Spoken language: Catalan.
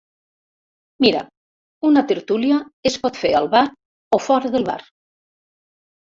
“Mira, una tertúlia es pot fer al bar o fora del bar.